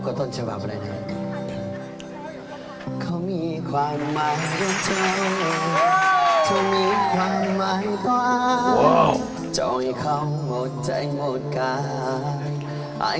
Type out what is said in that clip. ขอบคุณครับพี่แจ๊คขอบคุณครับผมบอกเลยว่าเดินสัก๓๔ร้านเราก็อิ่มแล้ววันเนี้ย